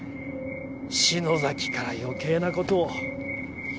篠崎から余計な事を。